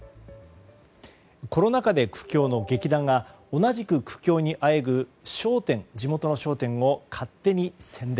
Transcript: コロナ禍で苦境の劇団が同じく苦境にあえぐ地元の商店を勝手に宣伝。